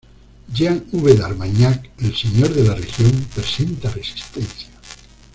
Jean V de Armagnac, el señor de la región, presenta resistencia.